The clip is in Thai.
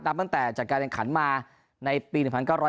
นับตั้งแต่จากการแขนขันมาในปี๑๙๙๖